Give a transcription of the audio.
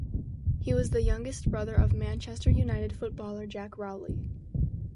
He was the younger brother of Manchester United footballer Jack Rowley.